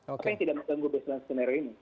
apa yang tidak terganggu baseline scenario ini